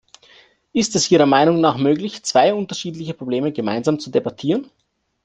Ist es Ihrer Meinung nach möglich, zwei unterschiedliche Probleme gemeinsam zu debattieren?